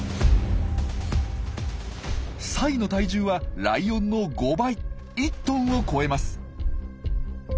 サイの体重はライオンの５倍１トンを超えます。